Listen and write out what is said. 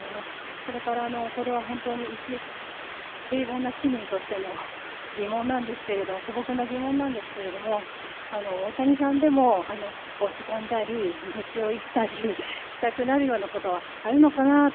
それから、これは本当に一平凡な市民としての疑問なんですけれども、素朴な疑問なんですけれども大谷さんでも落ち込んだり、愚痴を言ったりしたくなるようなことはあるのかなあと。